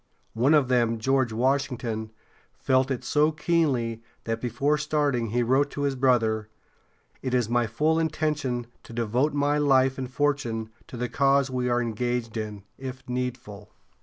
One of them, George Washington, felt it so keenly that before starting he wrote to his brother: "It is my full intention to devote my life and fortune to the cause we are engaged in, if needful."